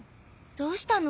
どうしたの？